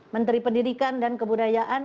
menteri pendidikan dan kebudayaan